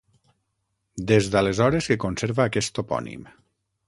Des d'aleshores que conserva aquest topònim.